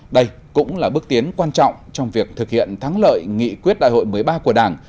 đây cũng là bước tiến quan trọng trong việc thực hiện thắng lợi nghị quyết đại hội một mươi ba của đảng